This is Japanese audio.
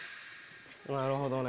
なるほどね。